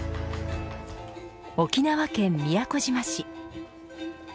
沖縄県宮古島市。